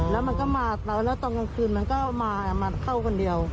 แล้วมันก็มาแล้วตอนกลางคืนมันก็มาเข้าคนเดียว